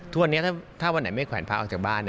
ทุกวันนี้ถ้าวันไหนไม่แขวนพระออกจากบ้าน